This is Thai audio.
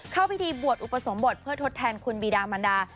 เข้าพิธีบวชอุปสมบทเพื่อทดแทนคุณบีดามันดา